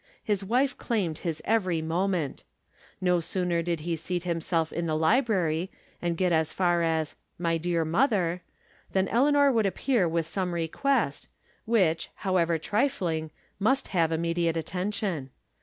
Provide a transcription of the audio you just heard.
His wife claimed his every moment. No sooner did he seat him self in the library, and get as far as " My Dear Mother," than Eleanor would appear with some request, which, however trifling, must have im mediate attention.